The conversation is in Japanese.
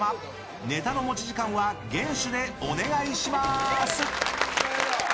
ネタの持ち時間は厳守でお願いしまーす！